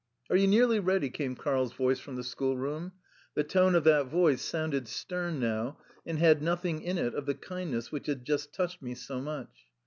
"Are you nearly ready?" came Karl's voice from the schoolroom. The tone of that voice sounded stern now, and had nothing in it of the kindness which had just touched me so much.